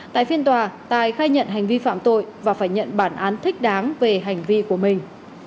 tại phiên tòa tài khai nhận hành vi phạm tội và phải nhận bản án thích đáng về hành vi của mình